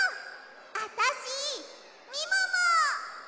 あたしみもも！